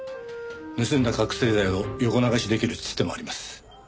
盗んだ覚醒剤を横流しできるツテもあります。